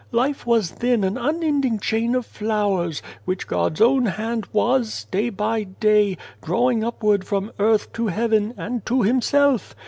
Life was then an unending chain of flowers, which God's own hand was, day by day, drawing upward from earth to heaven, and to Himself.